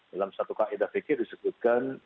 dalam satu kaedah fikir disebutkan